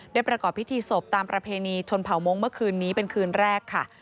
ประกอบพิธีศพตามประเพณีชนเผามงค์เมื่อคืนนี้เป็นคืนแรกค่ะ